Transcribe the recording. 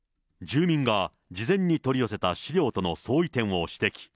住民が事前に取り寄せた資料との相違点を指摘。